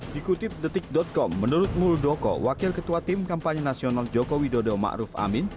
dikutip detik com menurut muldoko wakil ketua tim kampanye nasional joko widodo ⁇ maruf ⁇ amin